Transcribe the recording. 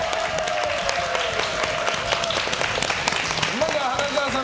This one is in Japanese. まずは花澤さん